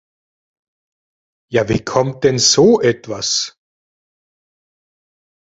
Ja wie kommt denn so etwas?